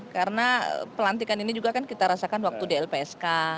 karena pelantikan ini juga kan kita rasakan waktu dlpsk